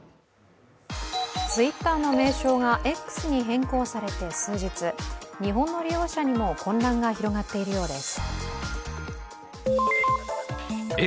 Ｔｗｉｔｔｅｒの名称がＸに変更されて数日、日本の利用者にも混乱が広がっているようです。